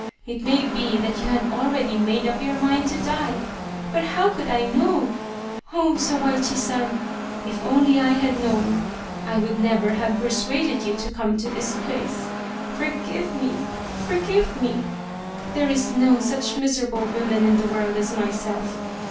It may be that you had already made up your mind to die. But how could I know ? Oh ! Sawaichi San, if only I had known I would never have persuaded you to come to this place. Forgive me, oh, forgive me ! There is no such miserable woman in the world as myself.